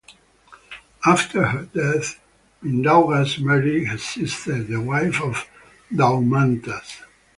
After her death, Mindaugas married her sister, the wife of Daumantas.